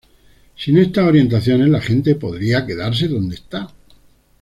Sin estas orientaciones, la gente podría quedarse donde está.